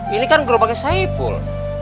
ini kan gerobaknya saya pul